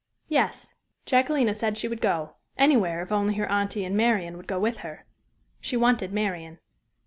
"Yes," Jacquelina said she would go anywhere, if only her aunty and Marian would go with her she wanted Marian.